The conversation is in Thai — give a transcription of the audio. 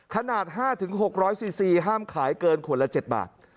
ขนาดห้าถึงหกร้อยซีซีห้ามขายเกินขวาละเจ็ดบาท